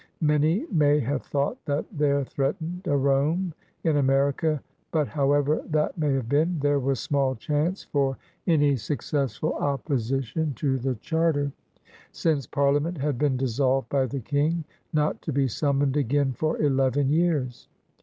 Many may have thought that there threatened a Rome in America. But, however that may have been, there was small chance for any successful opposition to the charter, since Par liament had been dissolved by the King, not to be siunmoned again for eleven years.